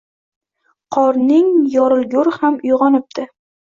Qorning yorilgur ham uyg`onibdi